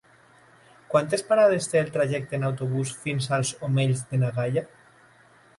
Quantes parades té el trajecte en autobús fins als Omells de na Gaia?